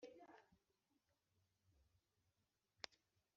mu maso? nabyo sinari kubibasha,